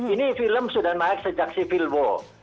ini film sudah naik sejak civil wall